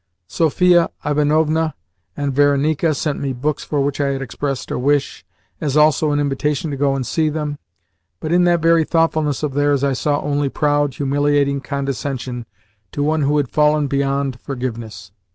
Sophia Ivanovna and Varenika sent me books for which I had expressed a wish, as also an invitation to go and see them, but in that very thoughtfulness of theirs I saw only proud, humiliating condescension to one who had fallen beyond forgiveness.